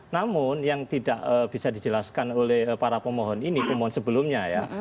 namun yang tidak bisa dijelaskan oleh para pemohon ini pemohon sebelumnya ya